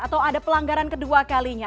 atau ada pelanggaran kedua kalinya